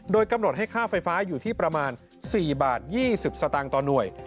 โดยกำหนดให้ค่าไฟฟ้าอยู่ที่ประมาณ๔บาท๒๐สตางค์ต่อหน่วย